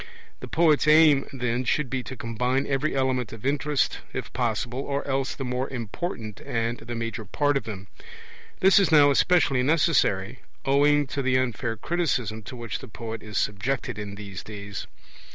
The poet's aim, then, should be to combine every element of interest, if possible, or else the more important and the major part of them. This is now especially necessary owing to the unfair criticism to which the poet is subjected in these days.